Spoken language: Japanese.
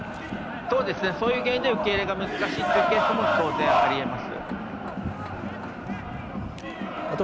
そういう原因で受け入れは難しいというケースも当然、ありえます。